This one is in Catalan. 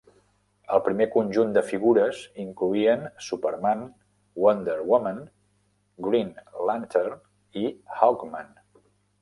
El primer conjunt de figures incloïen Superman, Wonder Woman, Green Lantern i Hawkman.